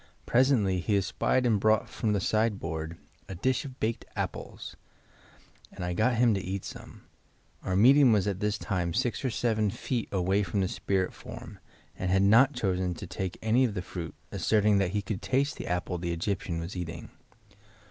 Presently he espied and brought from the side board a dish of baked apples and I got him to eat some. Our medium was at this time six or seven feet away from the spirit form and had not chosen to take any of the fruit, asserting that he could taste the apple the Egyptian was eating.